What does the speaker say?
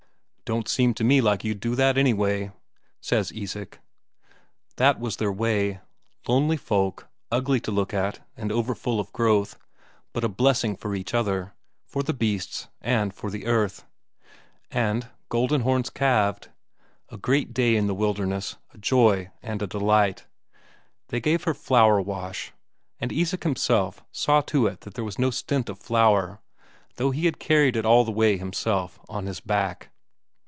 "Don't seem to me like you'd do that anyway," says Isak. That was their way. Lonely folk, ugly to look at and overfull of growth, but a blessing for each other, for the beasts, and for the earth. And Goldenhorns calved. A great day in the wilderness, a joy and a delight. They gave her flour wash, and Isak himself saw to it there was no stint of flour, though he had carried it all the way himself, on his back.